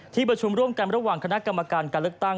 ประชุมร่วมกันระหว่างคณะกรรมการการเลือกตั้ง